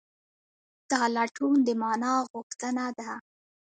دا لټون د مانا غوښتنه ده.